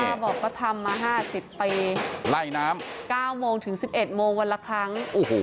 บอกก็ทำมา๕๐ปีไล่น้ำ๙โมงถึง๑๑โมงวันละครั้ง